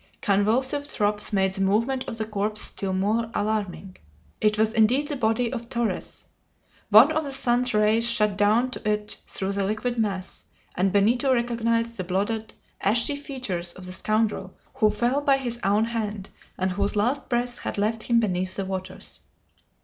Convulsive throbs made the movement of the corpse still more alarming. It was indeed the body of Torres. One of the suns rays shot down to it through the liquid mass, and Benito recognized the bloated, ashy features of the scoundrel who fell by his own hand, and whose last breath had left him beneath the waters.